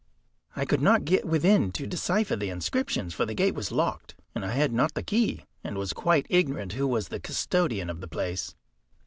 I could not get within to decipher the inscriptions, for the gate was locked and I had not the key, and was quite ignorant who was the custodian of the place.